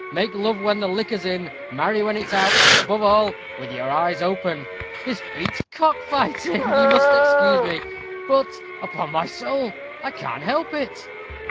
Make love when the liquor's in; marry when it's out, and, above all, with your eyes open. This beats cock fighting ha, ha, ha! you must excuse me; but, upon my soul, I can't help it."